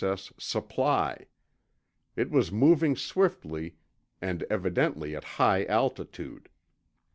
S.S. Supply. It was moving swiftly, and evidently at high altitude.